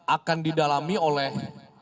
akan didalami oleh